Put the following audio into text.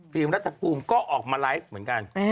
รัฐภูมิก็ออกมาไลฟ์เหมือนกัน